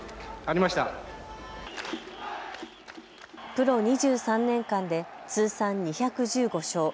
プロ２３年間で通算２１５勝。